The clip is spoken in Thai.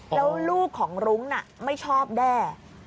แล้วลูกของรุ้งน่ะไม่ชอบแด้